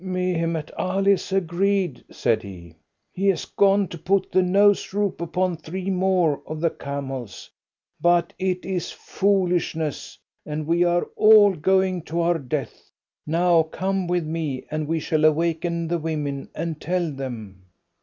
"Mehemet Ali has agreed," said he. "He has gone to put the nose rope upon three more of the camels. But it is foolishness, and we are all going to our death. Now come with me, and we shall awaken the women and tell them."